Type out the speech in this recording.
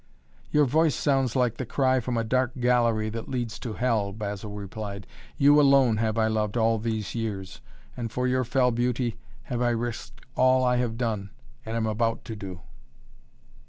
"Your voice sounds like the cry from a dark gallery that leads to Hell," Basil replied. "You, alone, have I loved all these years, and for your fell beauty have I risked all I have done and am about to do!"